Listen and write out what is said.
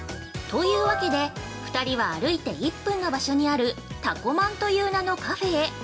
◆というわけで、２人は歩いて１分の場所にある「たこまん」という名のカフェへ。